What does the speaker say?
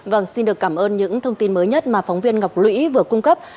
vâng xin được cảm ơn những thông tin mới nhất mà phóng viên ngọc lũy vừa cung cấp